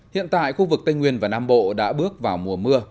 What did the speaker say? hiện tại khu vực tây nguyên và nam bộ đã bước vào mùa mưa